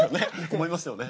思いましたよね？